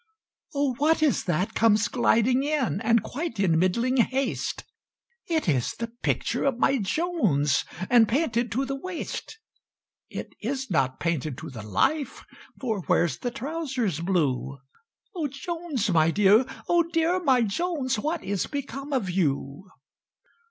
"Oh! what is that comes gliding in, And quite in middling haste? It is the picture of my Jones, And painted to the waist. "It is not painted to the life, For where's the trowsers blue? Oh Jones, my dear! Oh dear! my Jones, What is become of you?"